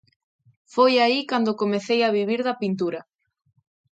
Foi aí cando comecei a vivir da pintura.